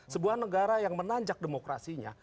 sebuah negara yang menanjak demokrasinya